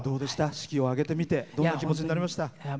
式を挙げてみてどんな気持ちになりました？